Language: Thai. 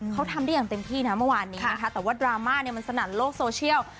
เขาทำได้อย่างเต็มที่นะเมื่อวานนี้นะคะแต่ว่าดราม่าเนี่ยมันสนั่นโลกโซเชียล